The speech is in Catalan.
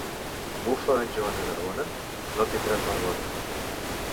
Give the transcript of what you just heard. Bufa en Joan de Narbona? No tindràs mar bona.